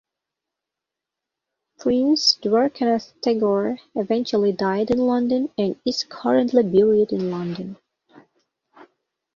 Prince Dwarkanath Tagore eventually died in London and is currently buried in London.